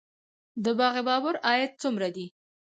د باغ بابر عاید څومره دی؟